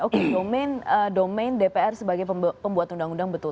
oke domain dpr sebagai pembuat undang undang betul